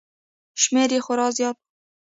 شمېر یې خورا زیات و